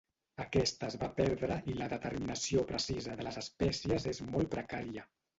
Aquesta es va perdre i la determinació precisa de les espècies és molt precària.